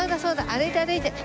歩いて歩いて。